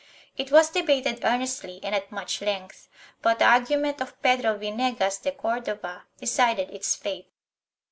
It was debated earnestly and at much length, but the argument of Pedro Vinegas de Cordova decided its fate.